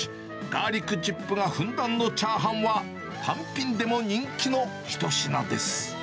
ガーリックチップがふんだんのチャーハンは、単品でも人気の一品